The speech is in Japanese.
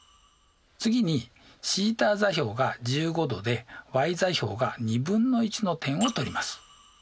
次にθ座標が１５°でｙ座標が２分の１の点を取ります。